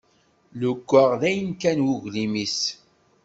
Leggaɣ dayen kan uglim-is.